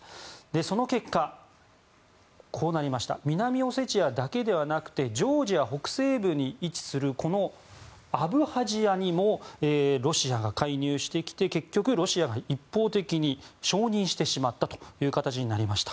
その結果南オセチアだけではなくてジョージア北西部に位置するアブハジアにもロシアが介入してきて結局ロシアが一方的に、承認してしまった形となりました。